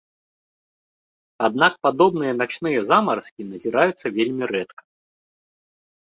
Аднак падобныя начныя замаразкі назіраюцца вельмі рэдка.